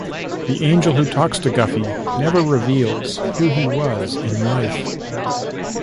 The angel who talks to Guffy never reveals who he was in life.